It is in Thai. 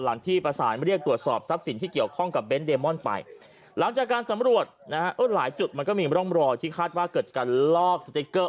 หลังที่ผู้ประสานมาเรียกตรวจสอบ